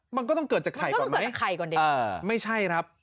มันก็ต้องเกิดจากไข่ก่อนไหมไม่ใช่ครับ